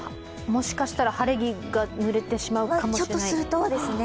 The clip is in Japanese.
もしかしたら晴れ着が濡れてしまうかもしれないと。